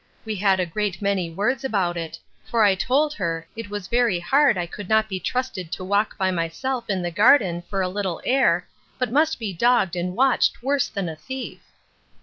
We had a great many words about it; for I told her, it was very hard I could not be trusted to walk by myself in the garden for a little air, but must be dogged and watched worse than a thief.